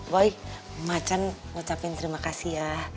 boy ma can ngucapin terima kasih ya